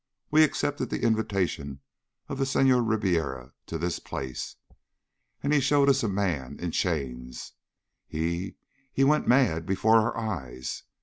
We accepted the invitation of the Senhor Ribiera to this place. And he showed us a man, in chains. He he went mad before our eyes.